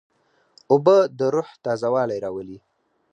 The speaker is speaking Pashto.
اوبه د روح تازهوالی راولي.